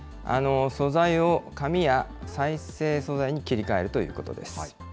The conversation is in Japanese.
素材を紙や再生素材に切り替えるということです。